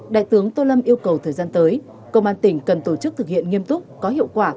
đại tướng tô lâm yêu cầu thời gian tới công an tỉnh cần tổ chức thực hiện nghiêm túc có hiệu quả